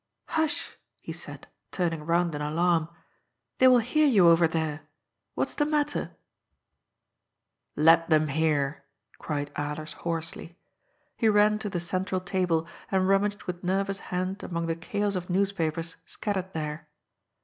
" Hush," he said, turning round in alarm. " They will hear you over there. What's the matter ?" 166 C^OD'S FOOL. *^ Let them hear I " cried Alers hoarsely. He ran to the central table and rummaged with nervous hand among the chaos of newspapers scattered there.